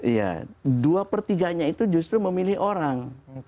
iya dua pertiganya itu justru memilih orang